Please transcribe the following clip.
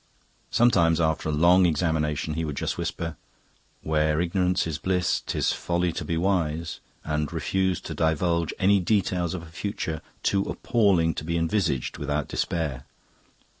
Sometimes, after a long examination, he would just whisper, "Where ignorance is bliss, 'tis folly to be wise," and refuse to divulge any details of a future too appalling to be envisaged without despair.